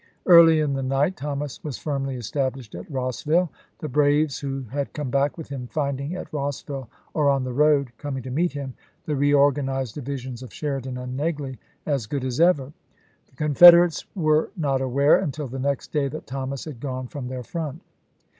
Early in the night Thomas was firmly established at Rossville, the braves who had come back with him finding at Rossville or on the road, coming to meet him, the reorganized divisions of Sheridan and Negley as good as ever. The Confederates were not aware until the next day that Thomas had gone from their front.